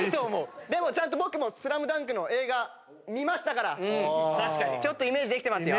僕も『ＳＬＡＭＤＵＮＫ』の映画見ましたからちょっとイメージできてますよ。